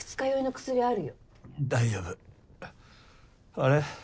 あれ？